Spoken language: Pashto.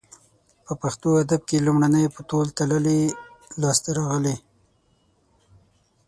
په پښتو ادب کې لومړنۍ په تول تللې لاسته راغلې